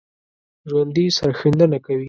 ژوندي سرښندنه کوي